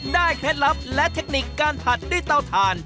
เคล็ดลับและเทคนิคการผัดด้วยเตาถ่าน